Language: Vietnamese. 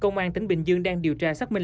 công an tỉnh bình dương đang điều tra xác minh